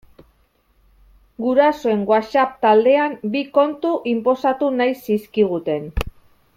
Gurasoen WhatsApp taldean bi kontu inposatu nahi zizkiguten.